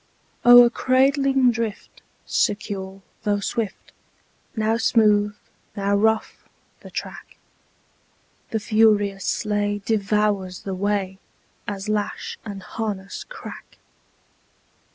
O'er cradling drift, secure though swift, Now smooth, now rough, the track, The furious sleigh devours the way, As lash and harness crack.